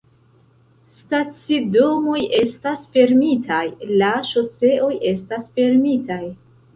Stacidomoj estas fermitaj, la ŝoseoj estas fermitaj